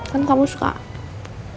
kan kamu suka ngelempar